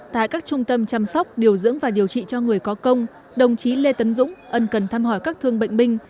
tại các trung tâm chăm sóc điều dưỡng và điều trị cho người có công đồng chí lê tấn dũng ân cần thăm hỏi các thương bệnh binh